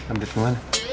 update ke mana